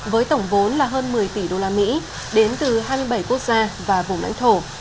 với tổng vốn là hơn một mươi tỷ đô la mỹ đến từ hai mươi bảy quốc gia và vùng lãnh thổ